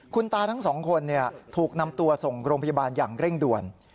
คุณตาทั้งสองคนถูกนำตัวส่งโรงพยาบาลอย่างเร่งด่วน